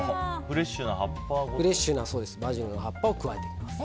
フレッシュなバジルの葉っぱを加えていきます。